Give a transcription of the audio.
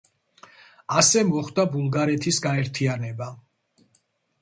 ასე მოხდა ბულგარეთის გაერთიანება.